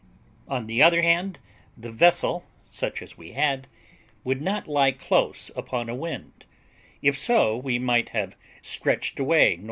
On the other hand, the vessel, such as we had, would not lie close upon a wind; if so, we might have stretched away N.N.